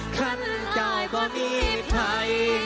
ขั้นอายก็มีใคร